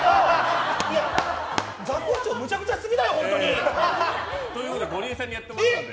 ザコシショウむちゃくちゃすぎだよ。ということでゴリエさんにやってもらうので。